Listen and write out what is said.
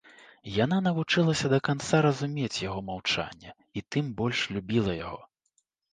Яна навучылася да канца разумець яго маўчанне і тым больш любіла яго.